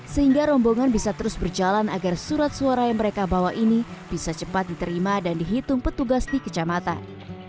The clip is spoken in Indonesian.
sehingga rombongan bisa terus berjalan agar surat suara yang mereka bawa ini bisa cepat diterima dan dihitung petugas di kecamatan